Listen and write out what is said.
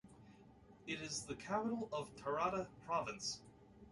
It is the capital of Tarata Province.